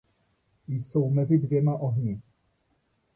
Jsou mezi dvěma ohni.